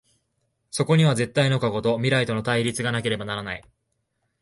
そこには絶対の過去と未来との対立がなければならない。